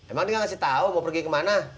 emang dia gak kasih tahu mau pergi kemana